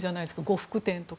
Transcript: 呉服店とか。